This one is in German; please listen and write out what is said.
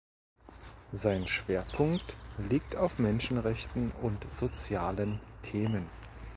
Sein Schwerpunkt liegt auf Menschenrechten und sozialen Themen.